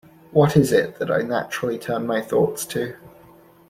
What is it that I naturally turn my thoughts to?